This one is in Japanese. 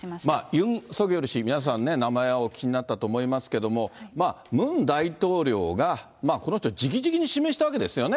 ユン・ソギョル氏、皆さんね、名前はお聞きになったと思いますけども、まあ、ムン大統領が、この人、じきじきに指名したわけですよね。